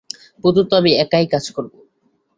প্রত্যুত আমি একাই কাজ করব।